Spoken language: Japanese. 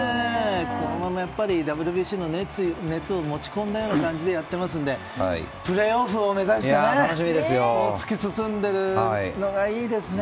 このままＷＢＣの熱を持ち込んだような形でやっていますのでプレーオフを目指して突き進んでいくのがいいですね。